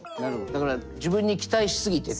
だから自分に期待し過ぎてて。